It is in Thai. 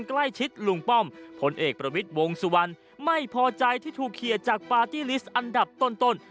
ใกล้ชิดลุงป้อมพลเอกประวิติวงศ์สุวรรณไม่พอใจที่ถูกเคียนจากปาร์ตี้ลิสต์อันดับต้นต้น